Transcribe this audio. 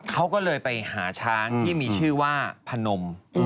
เขาก็เลยไปหาช้างที่มีชื่อว่าพนม